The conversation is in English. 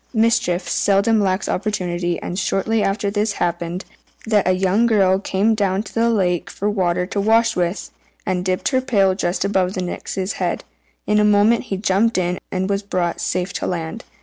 Mischief seldom lacks opportunity, and shortly after this it happened that a young girl came down to the lake for water to wash with; and dipping her pail just above the Nix's head, in a moment he jumped in, and was brought safe to land.